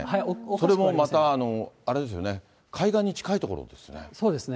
それもあれですよね、海岸に近い所ですね。